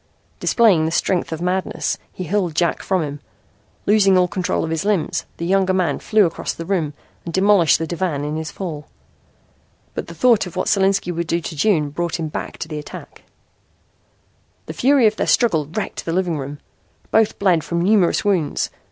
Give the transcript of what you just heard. Displaying the strength of madness he hurled Jack from him. Losing all control of his limbs, the younger man flew across the room and demolished the divan in his fall. But the thought of what Solinski would do to June brought him back to the attack. The fury of their struggle wrecked the living room. Both bled from numerous wounds.